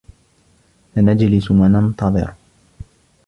سنجلس و ننتظر.